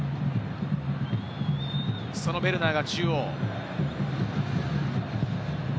そのベルナーが中央。